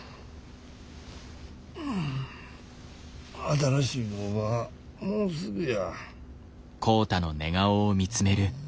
新しい工場もうすぐや。